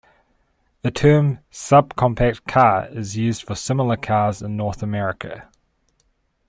The term subcompact car is used for similar cars in North America.